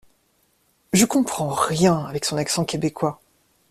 Je comprends rien avec son accent québecois.